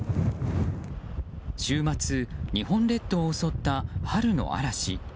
週末、日本列島を襲った春の嵐。